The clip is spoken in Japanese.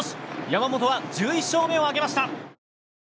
山本は１１勝目を挙げました。